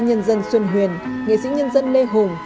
nghệ sĩ nhân dân lê hùng